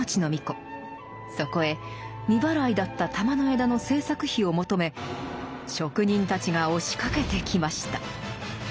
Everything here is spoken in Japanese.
そこへ未払いだった珠の枝の制作費を求め職人たちが押しかけてきました。